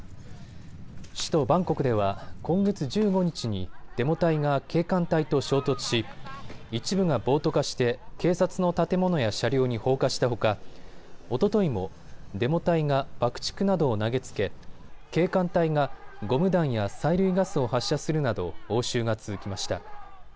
首都バンコクでは今月１５日にデモ隊が警官隊と衝突し一部が暴徒化して警察の建物や車両に放火したほかおとといもデモ隊が爆竹などを投げつけ警官隊がゴム弾や催涙ガスを発射するなど応酬が続きました。